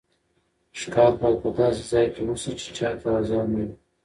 ښکار باید په داسې ځای کې وشي چې چا ته ازار نه وي.